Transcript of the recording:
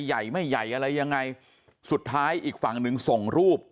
ใหญ่ไม่ใหญ่อะไรยังไงสุดท้ายอีกฝั่งหนึ่งส่งรูป